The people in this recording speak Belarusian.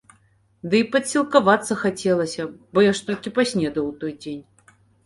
Ды і падсілкавацца хацелася, бо я ж толькі паснедаў у той дзень.